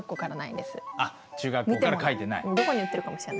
中学校から書いてない。